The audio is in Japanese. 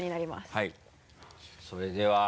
はい。